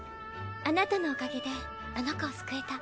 あなたのおかげであの子を救えた。